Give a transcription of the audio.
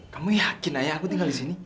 kamu yakin ayah aku tinggal di sini